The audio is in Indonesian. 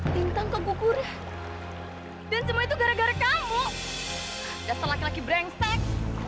bintang keguguran dan semua itu gara gara kamu laki laki brengsek